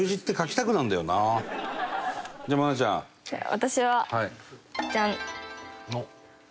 私はジャン！